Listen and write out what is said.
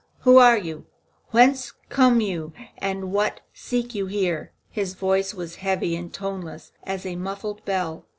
"Who are you? Whence come you, and what seek you here?" His voice was heavy and toneless as a muffled bell.